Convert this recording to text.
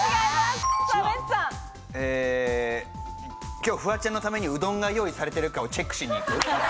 今日フワちゃんのためにうどんが用意されているかをチェックしに行く。